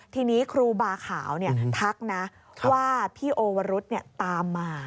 ทีนี้ครูบาขาวทักนะว่าพี่โอวรุษตามมา